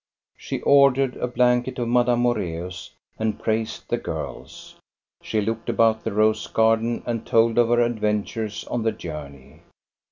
She ordered a blanket of Madame Moreus and praised the girls. She looked about the rose garden and told of her adventures on the journey.